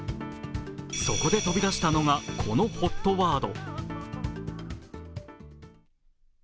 そこで飛び出したのがこのＨＯＴワード。